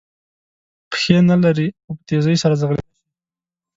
پښې نه لري خو په تېزۍ سره ځغلېدلای شي.